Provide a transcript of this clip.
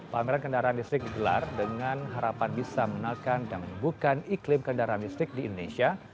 pameran kendaraan listrik digelar dengan harapan bisa menekan dan menimbulkan iklim kendaraan listrik di indonesia